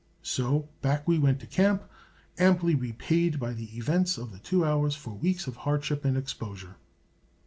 So back we went to camp, amply repaid by the events of two hours for weeks of hardship and exposure.